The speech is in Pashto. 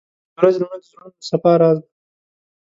• د ورځې لمونځ د زړونو د صفا راز دی.